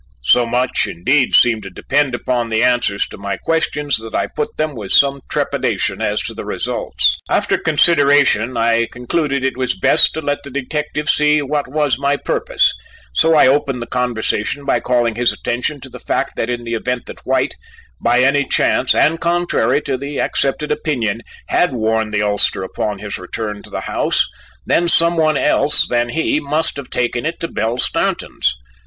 So much indeed seemed to depend upon the answers to my questions that I put them with some trepidation as to the results. After consideration I concluded it was best to let the detective see what was my purpose, so I opened the conversation by calling his attention to the fact that in the event that White, by any chance and contrary to the accepted opinion, had worn the ulster upon his return to the house, then some one else than he must have taken it to Belle Stanton's.